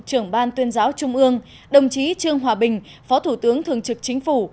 trưởng ban tuyên giáo trung ương đồng chí trương hòa bình phó thủ tướng thường trực chính phủ